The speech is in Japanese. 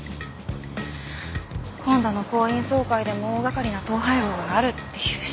今度の行員総会でも大掛かりな統廃合があるっていうし。